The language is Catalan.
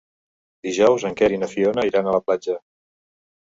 Dijous en Quer i na Fiona iran a la platja.